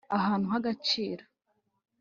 ahantu h'agaciro